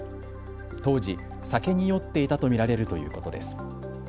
当時、酒に酔っていたと見られるということです。